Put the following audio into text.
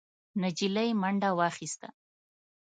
نجلۍ منډه واخيسته،